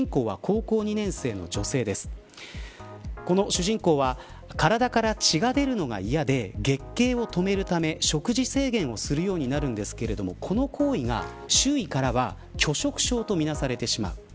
主人公は体から血が出るのが嫌で月経を止めるため食事制限をするようになるんですがこの行為が、周囲からは拒食症とみなされてしまう。